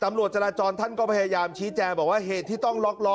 ตำรวจจราจรท่านก็พยายามชี้แจงบอกว่าเหตุที่ต้องล็อกล้อ